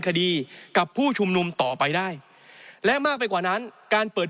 คดีกับผู้ชุมนุมต่อไปได้และมากไปกว่านั้นการเปิด